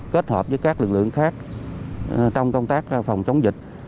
kết hợp với các lực lượng khác trong công tác phòng chống dịch